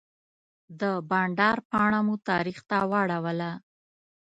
د بانډار پاڼه مو تاریخ ته واړوله.